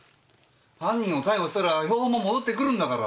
犯人を逮捕したら標本も戻ってくるんだから。